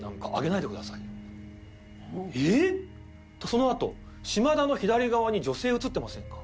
そのあと「島田の左側に女性写ってませんか？」